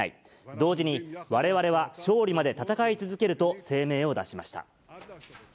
同時にわれわれは勝利まで戦い続けると声明を出しました。